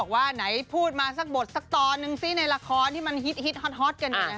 ว่าไหนพูดมาสักบทสักตอนนึงซิในละครที่มันฮิตฮอตกันอยู่